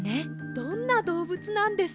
どんなどうぶつなんですか？